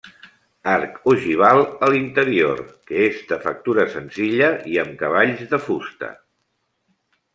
Arc ogival a l'interior, que és de factura senzilla i amb cavalls de fusta.